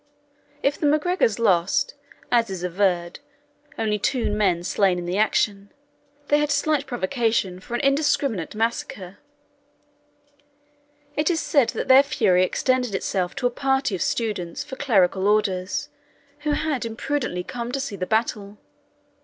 If the MacGregors lost, as is averred, only two men slain in the action, they had slight provocation for an indiscriminate massacre. It is said that their fury extended itself to a party of students for clerical orders, who had imprudently come to see the battle.